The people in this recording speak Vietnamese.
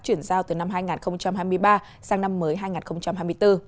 chuyển giao từ năm hai nghìn hai mươi ba sang năm mới hai nghìn hai mươi bốn